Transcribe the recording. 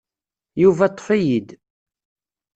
Yuba ṭṭef-iyi-d.